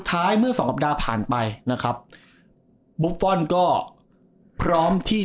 ท้ายเมื่อสองสัปดาห์ผ่านไปนะครับบุฟฟอลก็พร้อมที่